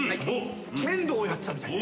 剣道やってたみたいで。